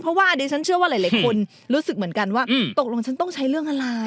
เพราะว่าอันนี้ฉันเชื่อว่าหลายคนรู้สึกเหมือนกันว่าตกลงฉันต้องใช้เรื่องอะไร